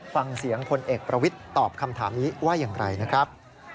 ฟังเสียงพลเอกประวิทย์ตอบคำถามนี้ว่าอย่างไรนะครับ